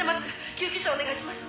救急車お願いします」